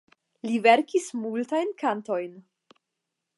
Li verkis multajn kantojn.